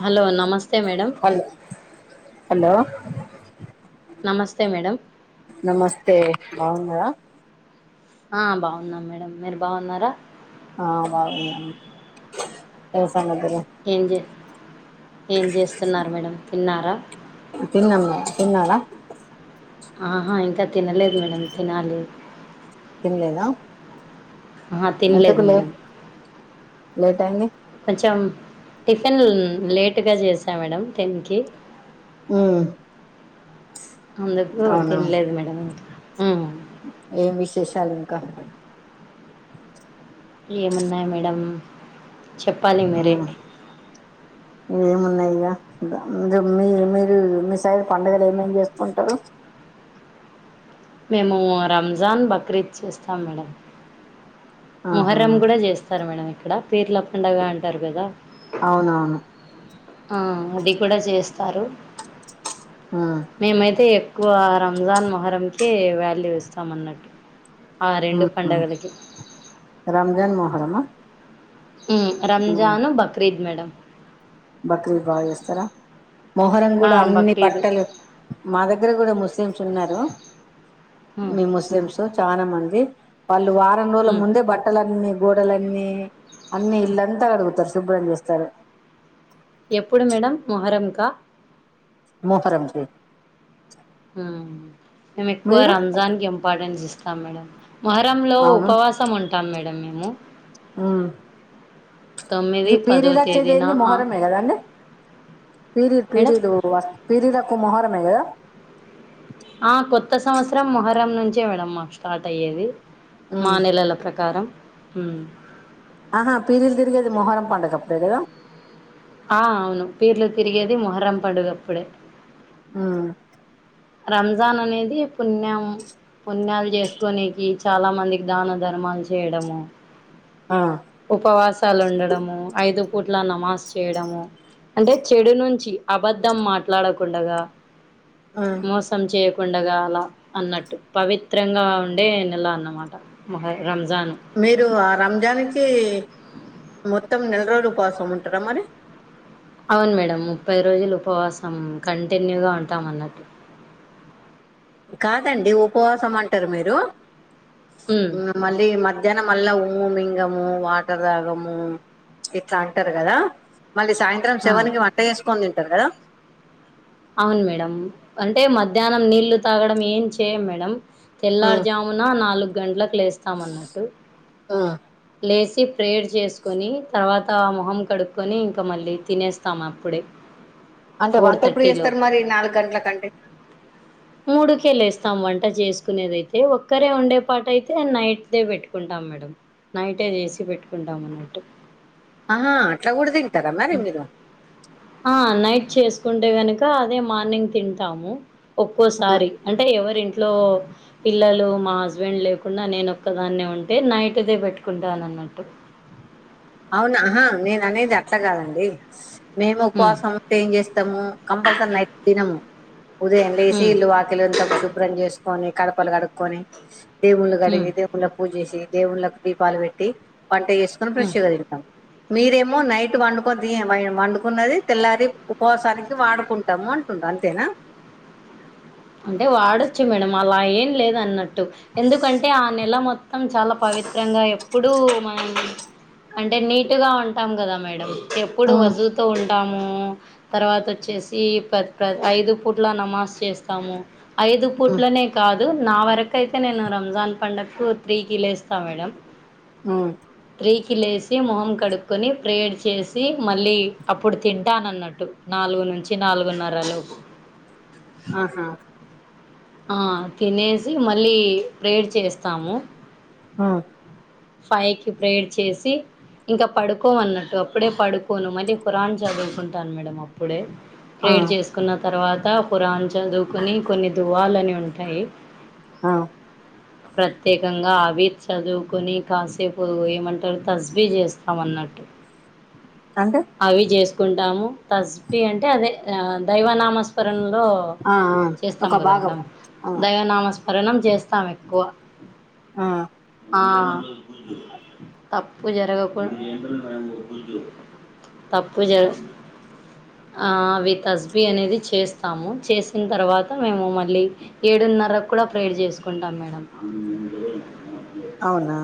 Hello నమస్తే madam hello hello నమస్తే madam నమస్తే బావున్నారా ఆ బాగున్నాం మేడం మీరు బాగున్నారా ఆ బాగున్నాం ఏం చే ఏం చేస్తున్నారు మేడం తిన్నారా తిన్నాం మీరు తిన్నారా ఆహా ఇంకా తినలేదు మేడమ్ తినాలి తినలేదా ఆహా తినలేదు ఎందుకు మేడం లేట్ లేట్ అయింది కొంచెం టిఫిన్ లేటుగా చేసాం మేడం టెన్ కి ఆమ్ అందుకు తినలేదు మేడం ఉమ్ ఏం విశేషాలు ఇంకా ఏమున్నాయి మేడం చెప్పాలి మీరే ఉమ్ ఏమున్నాయి ఇక మీ మీరు మీ సైడు పండుగలు ఏమేమి చేసుకుంటారు మేము రంజాన్ బక్రీద్ చూస్తాం మేడం ఆహా మొహర్రం కూడా చేస్తారు మేడం ఇక్కడ పీర్ల పండుగ అంటారు కదా అవునవును సారు ఉమ్ మేమైతే ఎక్కువ రంజాన్ మొహరంకి వాల్యూ ఇస్తామన్నట్టు ఆ రెండు ఉమ్ పండుగలకి రంజాన్ మొహరమా ఉమ్ ఉమ్ రంజాన్ బక్రీద్ మేడం బక్రీద్ బా చేస్తారా మొహరం ఆ, కూడా అన్ని బక్రీద్ బట్టలు మా దగ్గర కూడా ముస్లిమ్స్ ఉన్నారు మ్మ్. మీ ముస్లిమ్స్ చాలా మంది వాళ్ళు వారం రోజుల మ్మ్. ముందే బట్టలన్నీ గోడలన్నీ అన్ని ఇల్లంతా కడుగుతారు శుభ్రం చేస్తారు ఎప్పుడు మేడం మొహరంకా మొహరం కి మేము ఎక్కువ మీరు రంజాన్ కి ఇంపార్టెన్స్ ఇస్తాం మేడం మొహరంలో అవును ఉపవాసం ఉంటాం మేడం మేము ఉమ్ తొమ్మిది ఇది పదో పీరీలాచ్చేది తేదీన ఏంది ఆ, మొహరమే కదాండి పీరీలు మేడం పీరీలు పీరీలకు మొహరమే కదా ఆ కొత్త సంవత్సరం మొహర్రం నుంచే మేడం మాకు స్టార్ట్ అయ్యేది మా ఉమ్ నేలల ప్రకారం ఆహా పీరలు తిరిగేది మొహరం పండగప్పుడే కదా ఆ అవును పిర్లు తిరిగేది మొహరం పండుగప్పుడే ఆ రంజాన్ అనేది పుణ్యం పుణ్యాలు చేసుకోనేనికి చాలా మందికి దాన ధర్మాలు చేయడము ఆ ఉపవాసాలు ఉండడము ఐదు పూట్ ఇట్లా నమాజ్ చేయడము అంటే చెడు నుంచి అబద్ధం మాట్లాడకుండగా ఉమ్ మోసం చె యకుండగా పండగాల అన్నట్టు పవిత్రంగా ఉండే నెల అన్నమాట మ రంజ మీరు ఆ రంజాన్ కి మొత్తం నెల రోజులు ఉపాసం ఉంటారా మరి అవును మేడం ముప్పై రోజులు ఉపవాసం కంటిన్యూగా ఉంటాం అన్నట్టు కాదండి ఉపవాసం అంటారు మీరు ఉమ్ మళ్ళీ మధ్యాహ్నం మళ్ళ ఉమ్ము మింగము వాటర్ దాగము ఇట్లా అంటారు కదా మళ్ళీ సాయంత్రం ఆ సెవెన్కి వంట చేసుకొని తింటారు కదా అవును మేడం అంటే మధ్యాహ్నం నీళ్లు తాగడం ఏం చేయం మేడం తెల్లారు జామున నాలుగు గంటలకు లేస్తాం అన్నట్టు లే సి ప్రేయర్ చేసుకొని తర్వాత మొహం కడుక్కొని ఇంకా మళ్ళీ తినేస్తాము అప్పుడే అంటే ఫోర్ వంట ఎప్పుడు థర్టీ చేస్తారు లోపు మరి నాలుగు గంటలకంటే మూడుకెళ్ళేస్తాం వంట చేసుకునేది అయితే ఒక్కరే ఉండే పాటయితే నైట్ దే పెట్టుకుంటాం మేడం నైటే చేసి పెట్టుకుంటాం అన్నట్టు ఆహా అట్లా కూడ ఆ నైట్ చేసుకుంటే గనుక అదే మార్నింగ్ తింటాము ఒక్కోసారి అంటే ఎవరింట్లో పిల్లలు మా హస్బెండ్ లేకుండా నేను ఒక్కదాన్నే ఉంటే నైట్దే పెట్టుకుంటాను అన్నట్టు అవునా ఆహా నేను అనేది అట్లా కాదండి మేము హ్మ్. ఉపవాసం ఏం చేస్తాము కంపల్సరీ నైట్ తినము ఉదయం లేసి హ్మ్. ఇల్లు వాకిలు అంత శుభ్రం చేసి కడుకొని కడపలు కడుకొని దేవుళ్ళు హ్మ్. కడిగి దేవుళ్ళ పూజ చేసి దేవుళ్లకు దీపాలు పెట్టి వంట చేసుకొని హ్మ్. తింటాం మీరేమో నైట్ వండుకని వండుకున్నది తెల్లారి ఉపవాసానికి వాడుకుంటాము అంటున్న అంతేనా అంటే వాడొచ్చు మేడం అలా ఏం లేదు అన్నట్టు ఎందుకంటే ఆ నెల మొత్తం చాలా పవిత్రంగా ఎప్పుడు మనం అంటే నీటుగా ఉంటాం కదా మేడం ఎప్పుడు ఉమ్, వజు తో ఉంట ము తర్వాత వచ్చేసి ఐదు పూట్ల నమాజ్ చేస్తాము ఐదు ఉమ్, పూట్లనే కాదు నా వరకు అయితే నేను రంజాన్ పండగకు త్రీ కి లేస్తా మేడం ఆ త్రీ కి లేసి మొహం కడుకొని ప్రేయర్ చేసి మళ్ళీ అప్పుడు తింటాను అన్నట్టు నా నాలుగు నుంచి నాలుగున్నరల లోపు ఆహా తినేసి మళ్ళీ ప్రేయర్ చేస్తాము ఆ ఫైవ్ కి ప్రేయర్ చేసి ఇంకా పడుకోము అన్నట్టు అప్పుడే పడుకోను మళ్ళీ ఖురాన్ చదువుకుంటాను మేడం అప్పుడే ఆ ప్రేయర్ చేసుకున్న తర్వాత ఖురాన్ చదువుకుని కొన్ని దువాలని ఉంటాయి ఆ ప్రత్యేకంగా అవి చదువుకుని కాసేపు ఏమంటారు తస్బీ చేస్తాంన్నట్టు అంటే అవి చే కుంటాము తస్బి అంటే అదే దైవ నామస్పరణ ఆ ఆ చేస్తాం ఒక కదా భాగం మేడం ఆ దైవనామస్మరణ చేస్తాం ఎక్కువ ఆ ఆ తప్పు జరగ తప్పు జ అవి తస్బీ అనేది చేస్తాము చేసిన తర్వాత మేము మళ్ళీ ఏడు రన్నర కూడా ప్రేయర్ చేసుకుంటాం మేడం అవునా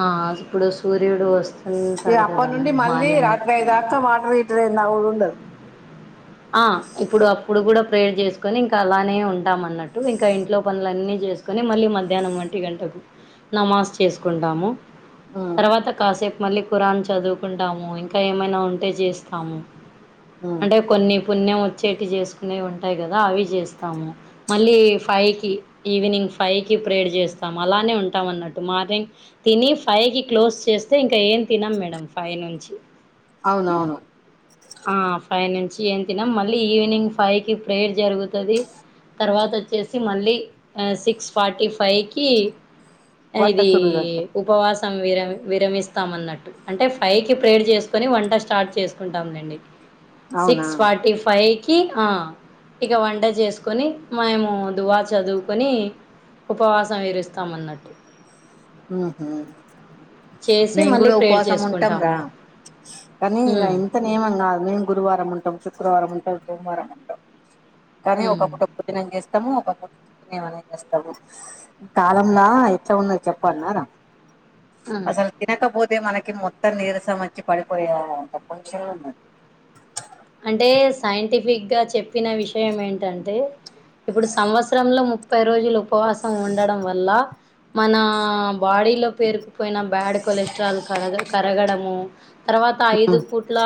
ఆ ఇప్పుడు సూర్యుడు ఈ వస్తుంటాడు కదా అప్పటి నుండి మేడం మళ్ళీ మార్నింగ్ రాత్రి అయ్యేదాకా వాటర్ హీటర్ అయింది ఆ ఇప్పుడు అప్పుడు కూడా ప్రేయర్ చేసుకొని ఇంకా అలానే ఉంటాం అన్నట్టు ఇంకా ఇంట్లో పనులన్నీ చేసుకొని మళ్ళీ మధ్యాహ్నం వంటి గంటకు నమాజ్ చేసుకుంటాము ఉమ్, తర్వాత కాసే మళ్ళీ ఖురాన్ చదువుకుంటాము ఇంకా ఏమైనా ఉంటే చేస్తాము ఆ అంటే కొన్ని పుణ్యం వచ్చే చేసుకునేవి ఉంటాయి కదా అవి చేస్తాము మళ్ళీ ఫైవ్ కి ఈని ఫైవ్ కి ప్రేయర్ చేస్తాము అలానే ఉంటాం అన్నట్టు మార్నింగ్ తిని ఫైవ్ కి క్లోజ్ చేస్త ఇంకా ఏమ్ తినం మేడం ఫైవ్ నుంచి అవునవును ఆ ఫైవ్ నుంచి ఏం తినం మళ్ళీ ఈవినింగ్ ఫైవ్ కి ప్రేయర్ జరుగుతది తర్వాత వచ్చేసి మళ్ళీ సిక్స్ ఫార్టీ ఫైవ్కి వంట ఇది సురువు పెడతాం ఉపవాసం వీరమ్ విరమిస్తామన్నట్టు అంటే ఫైవ్ కి ప్రేర్ చేసుకొని వంట స్టార్ట్ చేసుకుంట స్తాంలెండి అవునా సిక్స్ ఫార్టీ ఫైవ్ కి హ ఇక వంట చేసుకొని మేము దువా చదువుకొని ఉపవాసం విరుస్తామన్నట్టు ఉహు చేసి మేము మళ్ళీ కూడా ప్రేయర్ ఉపవాసం ఉంటాం రా చేసుకుంటాము కానీ ఇక ఉమ్, ఇంత నియమం కాదు మేము గురువారం ఉంటాం శుక్రవారం ఉంటాం సోమవారం ఉంటాం కానీ ఉమ్, ఒకప్పుట ప దినం చేస్తే ఒక పొట్స్తాము ఈ కాలంంలో ఎట్లా ఉందో చె వడ్ నాన ఆ. అసలు తినకపోతే మనకి మొత్తం నీరసం వచ్చి పడిపోయ అంత కొంచం ఉ అంటే సైంటిఫిక్ గా చెప్పిన విషయం ఏంటంటే ఇప్పుడు సంవత్సరంలో ముప్పై రోజులు ఉపవాసం ఉండడం వల్ల మన బాడీలో పేరుకు పోయినా బ్యాడ్ కొలెస్ట్రాల్ కగ కరగడము తర్వాత ఐదు పూట్ల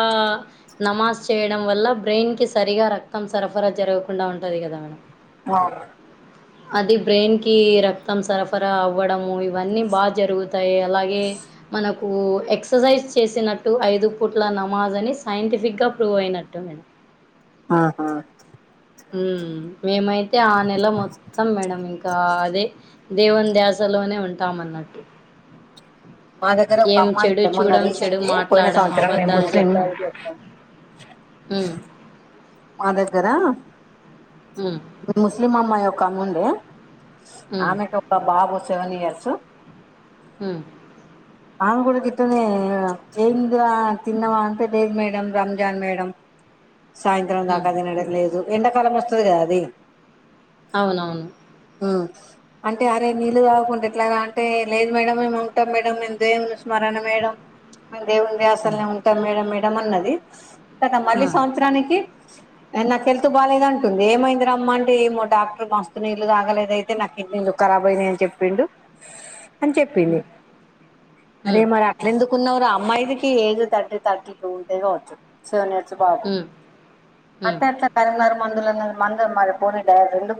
నమాజ్ చేయడం వల్ల బ్రెయిన్కి సరిగా రక్తం సరఫరా జరగకుండా ఉంటుంది కదా మేడం అవును అది బ్రెయిన్ కి రక్తం సరఫరా అవ్వడము ఇవన్నీ బాగా జరుగుతాయి అలాగే మనకు ఎక్సర్సైజ్ చేసినట్టు ఐదు పూట్ల నమాజ్ అని సైంటిఫిక్ గా ప్రూవ్ అయినట్టు మే ఆహా ఉమ్ మేమైతే ఆ నెల మొత్తం మేడం ఇంకా అదే దేవునీ ద్యాసలోనే ఉంటామన్నట్టు మా దగ్గర ఒక ఏం అమ్మాయి చెడు ఉండే మొన్న చూడం చెడు రీసెంట్లీ పోయిన మాట్లాడం సంవత్సరం మేము అబద్ధాలు ముస్లిం చెప్పం ఉమ్ మా దగ్గరా హ్మ్. మీ ముస్లిం అమ్మాయి ఒక ఆమె ఉండే హ్మ్. ఆమెకు ఒక బాబు సెవెన్ ఇయర్సు ఉమ్ ఆమె కూడా గిట్నే ఏంద తిన్నావా అంటే లేదు మేడం రంజాన్ మేడం సాయంత్రం దాకా హ్మ్. అది తినడంలేదు ఎండాకాలం వస్తుంది కదా అది అవునవును ఆ అంటే అరే నీళ్లు తాగకుండా ఎట్లాగా అంటే లేదు మేడం ఏ ఉంటాం మేడం నేను దయ చూస్మారానే మేడం మెం దేవుని హ్మ్. ధ్యాసలోనే ఉంటాం మేడం మేడం అన్నది గాథ ఆ! మళ్ళి సంవత్సరానికి నాకు హెల్త్ బాలేదంటంది ఏమైంది రమ్మంటె ఏమో డాక్టర్ మస్తు నీళ్ళలు తాగలేద అయితే నా కిడ్నీలు కారబైనవి అని చెప్పిండు అని చెప్పింది హ్మ్. అరే హ్మ్. మరి అట్ల ఎందుకు కున్నవర అమ్మాయికి ఏజ్ థర్టీ థర్టీ టూ ఉంటే కావచ్చు సెవెన్ ఇయర్స్ బాబు హ్మ్. హ్మ్. అంటే అట్లా కరింనాగ్ ఇ మందులున్న మందు మరి పోని రెండు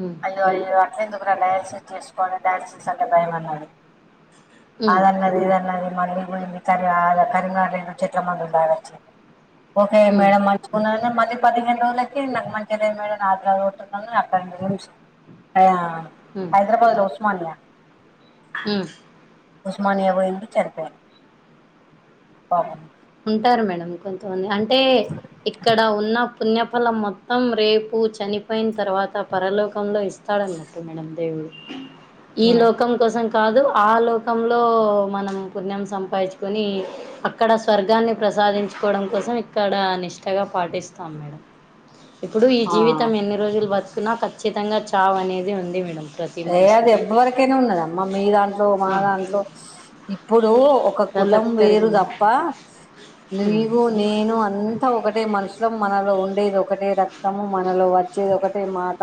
హ్మ్. అయ్యో అయ్యో అట్లా ఎందుకురా డయాన్సెస్ చేసుకొని డ్యాన్సెస్ అంటే భయం అన్నది హ్మ్. అది అనాది ఇది అన్నది మళ్ళీ పోయి ఎక్కడో కరీంనగర్ లో చెట్ల మందు అన్నది ఓకే హ్మ్. మేడం మంచిగున్న అనే మంచ్ పది పదిహేను రోజులకి నాకు మంచి మేడం ఆదిరాతున్నాను అక్కడ ఆ హైదరాబాద్ లో ఉస్మానియా హమ్ ఉస్మానియా లో ఉండి చనిపోయారు ఉంటారు మేడం కొంతమంది అంటే ఇక్కడ ఉన్న పుణ్య ఓ కల మొత్తం రేపు చనిపోయిన తర్వాత పరలోకంలో ఇస్తాడన్నట్టు మేడం దేవుడు ఈ లోకం కోసం కాదు ఆ లోకంలో మనం పుణ్యం సంపాదించుకొని అక్కడ స్వర్గాన్ని ప్రసాదించుకోవడం కోసం ఇక్కడ నిష్టగా పాటిస్తాం మేడం ఇప్పుడు ఈ ఆ జీవితం ఎన్ని రోజులు బ్రతుకున్నా ఖచ్చితంగా చావ్ అనేది ఉంది మేడం ప్రతి ఏ అది మనిషికి ఎవవరకైనా ఉన్నదమ్మా మీ దాంట్లో మా ఆ, దాంట్లో ఇప్పుడు ఒక ప్రతి కులం ఒక్కరికి వేరు ఉంది. తప్ప ఉమ్, నీవు నేను అంత ఒకటే మనుషులం మనలో ఉండేది ఒకటే రక్తము మనలో వచ్చేది ఒకటే మాట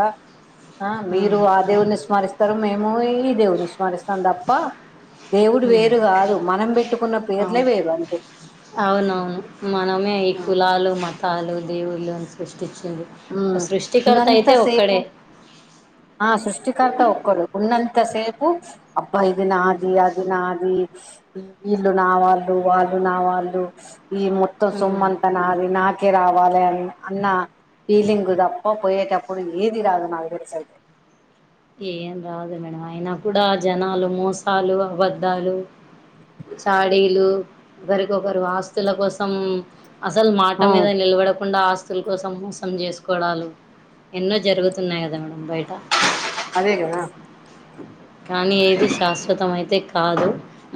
ఆ ఉమ్, మీరు ఆ దేవుని స్మరిస్తారు మేము ఈ దేవుడిని స్మరిస్తాం తప్ప దేవుడు ఉమ్, వేరు కాదు మనం పెట్టుకున్న పేర్లే అవును. వేరు అంతే అవునవును మనమే ఈ కులాలు మతాలు దేవుళ్ళని సృష్టించి ఉమ్ ఉన్నంతా సేపు ఒక్కడే ఆ సృష్టి కర్త ఒక్కరే ఉన్నంత సేపు అబ్బా ఇది ఉమ్, నాది అది నాది ఈ వీళ్ళు నావాళ్ళు వాళ్ళు నావాళ్ళు ఈ మొత్తం ఉమ్, సొమ్మంతా నాది నా కే రావాలి అ అన్నా ఫీలింగ్ తప్ప పోయేటప్పుడు ఏది రాదు నాకు తెలిసి అయితే ఏం రాదు మేడం అయినా కూడా జనాలు మోసాలు అబద్ధాలు చాడీలు ఒకరికొకరు ఆస్తుల కోసం అసలు మాట ఆ మీద నిలబడకుండా ఆస్తు అస్తుల కోసం మోసం చేసుకోవడాలు ఎన్నో జరుగుతున్నాయి కదా మేడం బయట అదే కదా కానీ ఏది శాశ్వతం అయితే కాదు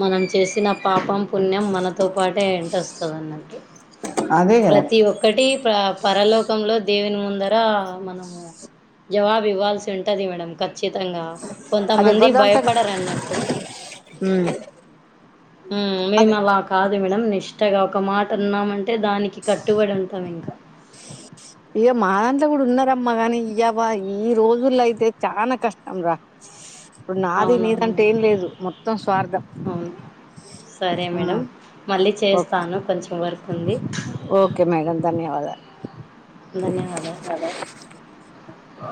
మనం చేసిన పాపం పుణ్యం మనతో పాటే వెంట వస్తది అన్నట్టు అదే కదా ప్రతి ఒక్కటి ప్ర పరలోకంలో దేవుని ముందర మనము జవాబు ఇవ్వాల్సి ఉంటది మేడం ఖచ్చితంగా అది కొంతమంది ఎవరి దాంట్లో భయపడరన్నట్టు ఉమ్ ఉమ్ మేము అదే అలా కాదు మేడం ఇష్టగా ఒక మాట అన్నామంటే అంటే దానికి కట్టుబడి ఉంటాం ఇంకా ఇక మా దాంట్లో కూడా ఉన్నారమ్మా కాగాని ఇవా ఈ రోజుల్లో అయితే చాలా కష్టం రా ఇప్పుడు నాది అవునవును నీదంటే మేడం ఏం లేదు మొత్తం స్వార్థం అవును సరే ఆ మేడం మళ్ళీ ఓకే చేస్తాను కొంచెం వర్క్ ఉంది [inaudible] అద ఆ